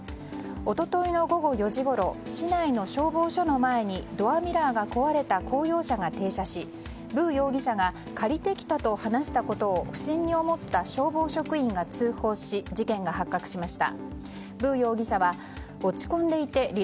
一昨日の午後４時ごろ市内の消防署の前にドアミラーが壊れた公用車が停車しブー容疑者が借りてきたと話したことを不審に思った消防職員が通報し事件が発覚しました。